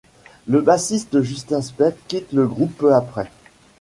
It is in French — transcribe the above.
Le bassiste Justin Phelps quitte le groupe peu après.